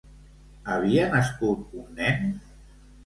Havia nascut un nen?